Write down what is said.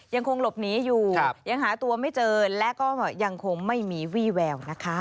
ยังคงหลบหนีอยู่ยังหาตัวไม่เจอและก็ยังคงไม่มีวี่แววนะคะ